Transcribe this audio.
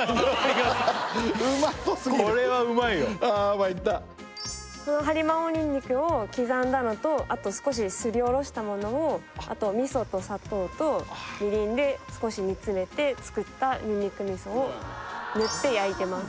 いやこれはうまいよああまいったハリマ王にんにくを刻んだのとあと少しすりおろしたものをあと味噌と砂糖とみりんで少し煮詰めて作ったにんにく味噌を塗って焼いてます